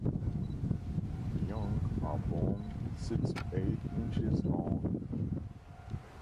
The young are born six to eight inches long.